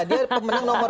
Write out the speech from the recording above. dia pemenang nomor lima